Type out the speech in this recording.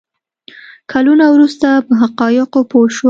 کلونه وروسته په حقایقو پوه شوم.